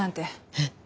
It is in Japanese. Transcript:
えっ？